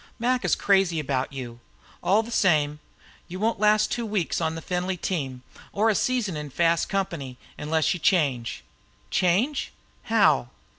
Mac is crazy about you. All the same, you won't last two weeks on the Findlay team, or a season in fast company, unless you change." "Change? How?"